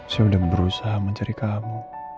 saya sudah berusaha mencari kamu